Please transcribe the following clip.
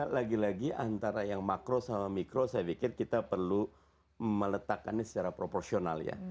lagi lagi antara yang makro sama mikro saya pikir kita perlu meletakkannya secara proporsional ya